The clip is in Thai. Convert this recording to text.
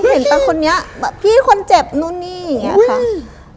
เห็นแต่คนนี้แบบพี่คนเจ็บนู่นนี่อย่างเงี้ยค่ะ